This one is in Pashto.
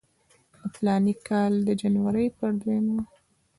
د فلاني کال د جنورۍ پر دویمه.